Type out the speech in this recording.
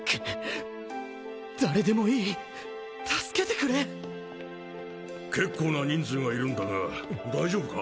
誰でもいい助けてくれ結構な人数がいるんだが大丈夫か？